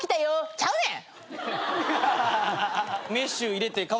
ちゃうねん！